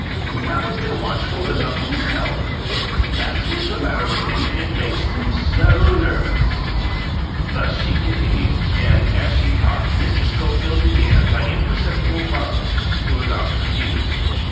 We haven't been watchful enough of his health; that's what's the matter with him and makes him so nervous." Thus she continued, and, as she talked on, Mr. Schofield began, by imperceptible processes, to adopt her views.